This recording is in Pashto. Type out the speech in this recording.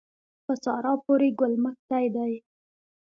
په سارا پورې ګل مښتی دی.